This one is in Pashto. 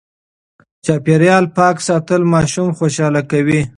چاپېريال پاک ساتل ماشوم خوشاله کوي.